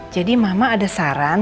jadi mama ada saran